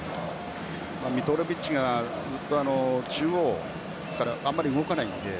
ミトロヴィッチがずっと中央からあまり動かないので。